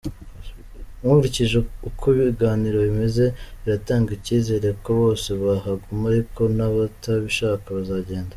Nkurikije uko ibiganiro bimeze biratanga icyizere ko bose bahaguma ariko n’abatabishaka bazagenda.